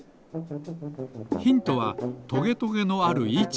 ヒントはトゲトゲのあるいち。